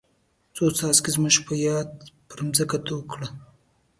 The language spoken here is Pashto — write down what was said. څو څاڅکي زموږ په یاد پر ځمکه توی کړه.